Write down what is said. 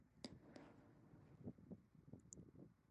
They strand Tack at the gas station, and head for Torrance Beach.